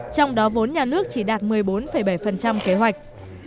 trong đó vốn nhà nước chỉ đạt một mươi bốn bảy kế hoạch